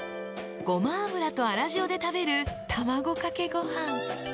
［ごま油と粗塩で食べる卵かけご飯］